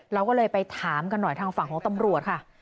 เราก็เลยไปถามกันหน่อยทางฝั่งของตำรวจค่ะ